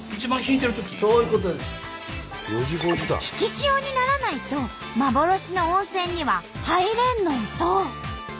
引き潮にならないと幻の温泉には入れんのんと！